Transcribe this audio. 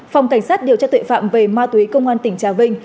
phòng cảnh sát điều tra tuệ phạm về ma túy công an tỉnh trà vinh